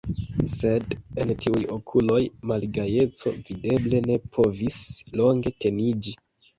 Sed en tiuj okuloj malgajeco videble ne povis longe teniĝi.